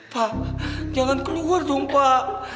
pak jangan keluar dong pak